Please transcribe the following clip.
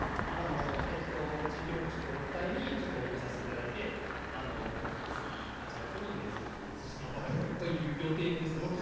地域おこし協力隊に応募させていただいて８月に面接をしていただけるという予定です。